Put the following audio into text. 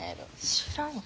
知らんわ。